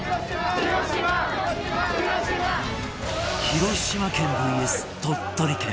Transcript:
広島県 ＶＳ 鳥取県